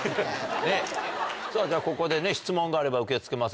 さぁじゃあここでね質問があれば受け付けますが。